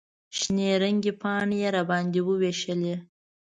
شنې رنګې پاڼې یې راباندې ووېشلې.